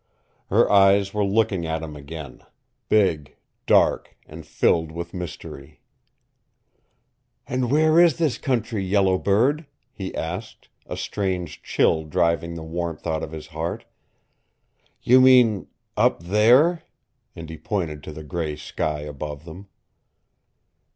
Her eyes were looking at him again, big, dark and filled with mystery. "And where is this country, Yellow Bird?" he asked, a strange chill driving the warmth out of his heart. "You mean up there?" And he pointed to the gray sky above them.